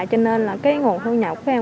cho nên là cái nguồn thu nhập của em